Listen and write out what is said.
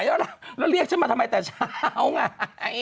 แล้วเรียกฉันมาทำไมแต่เช้าไง